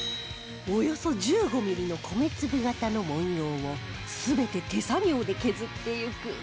およそ１５ミリの米粒形の紋様を全て手作業で削っていく